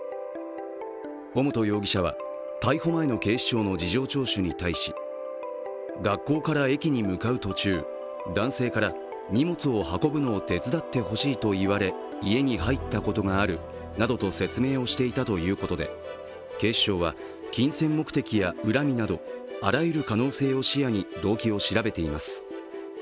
尾本容疑者は逮捕前の警視庁の事情聴取に対し、学校から駅に向かう途中男性から荷物を運ぶのを手伝ってほしいと言われ、家に入ったことがあるなどと説明をしていたということで警視庁は金銭目的や恨みなどあらゆる可能性を視野に動機を調べています。